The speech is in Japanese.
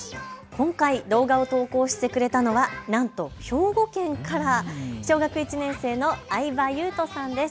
今回、動画を投稿してくれたのはなんと兵庫県から小学１年生のあいばゆうとさんです。